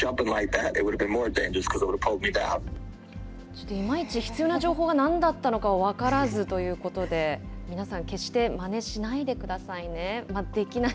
ちょっといまいち、必要な情報がなんだったのか分からずということで、皆さん、決してまねしないでくださいね。